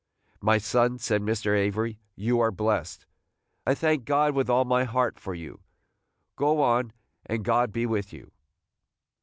"My son," said Mr. Avery, "you are blessed. I thank God with all my heart for you. Go on, and God be with you!"